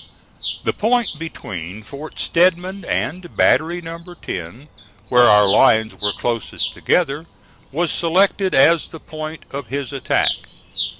The point between Fort Stedman and Battery No. 10, where our lines were closest together, was selected as the point of his attack.